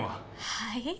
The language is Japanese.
はい？